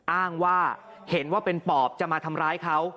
อ้างว่าเห็นว่าเป็นปอบจะมาทำร้ายเขา